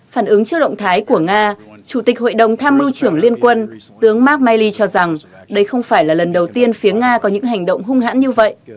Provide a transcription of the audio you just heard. phản ứng trước động thái của nga chủ tịch hội đồng tham mưu trưởng liên quân tướng markmaly cho rằng đây không phải là lần đầu tiên phía nga có những hành động hung hãn như vậy